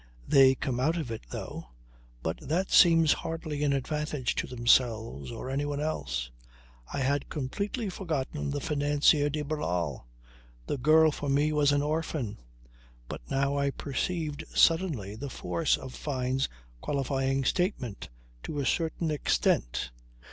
They come out of it, though, but that seems hardly an advantage to themselves or anyone else. I had completely forgotten the financier de Barral. The girl for me was an orphan, but now I perceived suddenly the force of Fyne's qualifying statement, "to a certain extent."